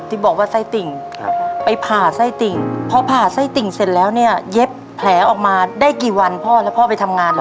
ที่บอกว่าไส้ติ่งไปผ่าไส้ติ่งพอผ่าไส้ติ่งเสร็จแล้วเนี่ยเย็บแผลออกมาได้กี่วันพ่อแล้วพ่อไปทำงานเหรอ